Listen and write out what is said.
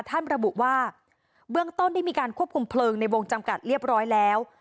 ระบุว่าเบื้องต้นได้มีการควบคุมเพลิงในวงจำกัดเรียบร้อยแล้ว